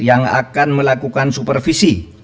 yang akan melakukan supervisi